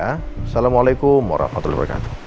assalamualaikum warahmatullahi wabarakatuh